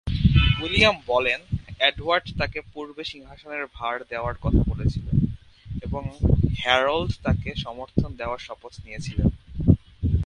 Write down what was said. William বলেন Edward তাকে পূর্বে সিংহাসনের ভার দেওয়ার কথা বলেছিলেন এবং হ্যারল্ড তাকে সমর্থন দেওয়ার শপথ নিয়েছিলেন।